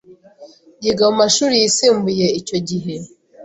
Yiga mu mashuri yisumbuye icyo gihe